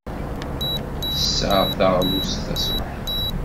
Ttesseɣ taɣlust taṣebḥit.